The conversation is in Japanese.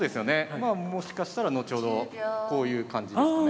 まあもしかしたら後ほどこういう感じですかね。